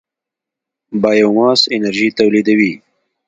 بایوماس انرژي تولیدوي.